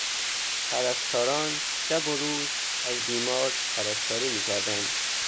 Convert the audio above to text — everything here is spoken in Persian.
پرستاران شب و روز از بیمار پرستاری میکردند.